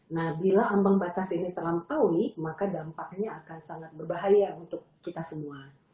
nah bila ambang batas ini terlampaui maka dampaknya akan sangat berbahaya untuk kita semua